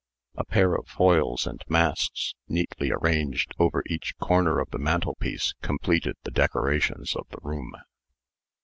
A pair of foils and masks, neatly arranged over each corner of the mantelpiece, completed the decorations of the room.